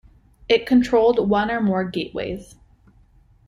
It controlled one or more gateways.